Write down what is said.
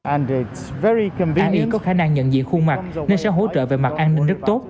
ai có khả năng nhận diện khuôn mặt nên sẽ hỗ trợ về mặt an ninh rất tốt